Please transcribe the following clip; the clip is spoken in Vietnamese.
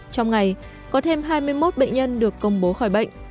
trong ngày có thêm hai mươi một bệnh nhân được công bố khỏi bệnh